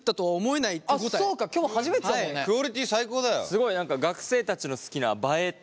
すごい何か学生たちの好きな映えっていうやつ。